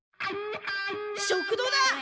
食堂だ！